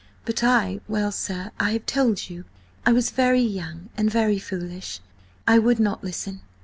But I–well, sir, I have told you, I was young and very foolish–I would not listen.